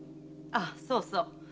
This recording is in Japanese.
あそうそう